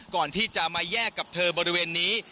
ก่อนที่จะมาแยกกับเธอบริเวณนี้